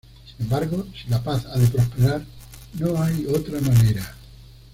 Sin embargo, si la paz ha de prosperar, no hay otra manera.